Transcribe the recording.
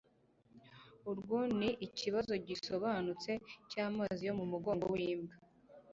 Urwo ni ikibazo gisobanutse cy amazi yo mu mugongo wimbwa